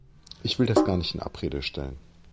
Ich will das gar nicht in Abrede stellen.